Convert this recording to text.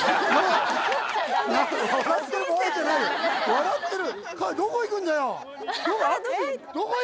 笑ってる。